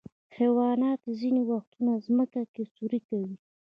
حیوانات ځینې وختونه ځمکه کې سوری کوي.